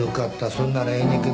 そんならええねんけど。